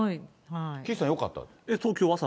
岸さんよかった？